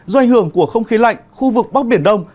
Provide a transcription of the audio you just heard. do ảnh hưởng của không khí lạnh khu vực bắc biển đông